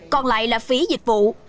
còn lại là phí dịch vụ